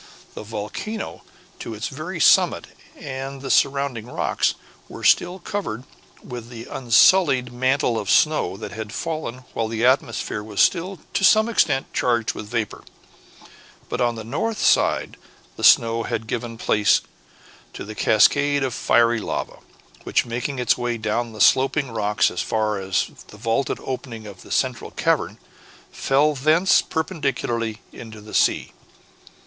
The volcano to its very summit and the surrounding rocks were still covered with the unsullied mantle of snow that had fallen while the atmosphere was still to some extent charged with vapor; but on the north side the snow had given place to the cascade of fiery lava, which, making its way down the sloping rocks as far as the vaulted opening of the central cavern, fell thence perpendicularly into the sea.